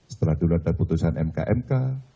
setelah dulu ada putusan mk mk